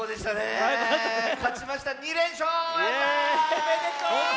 おめでとう！